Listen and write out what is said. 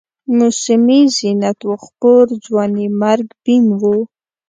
موسمي زینت و خپور، ځوانیمرګ بیم و